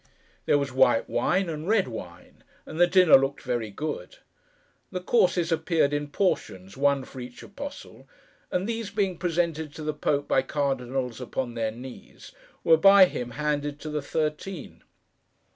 There was white wine, and red wine: and the dinner looked very good. The courses appeared in portions, one for each apostle: and these being presented to the Pope, by Cardinals upon their knees, were by him handed to the Thirteen.